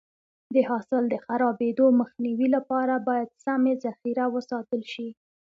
د حاصل د خرابېدو مخنیوي لپاره باید سمې ذخیره وساتل شي.